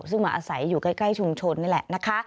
ซึ่งมาอาศัยอยู่ใกล้ชุมชนนี่แหละนะคะ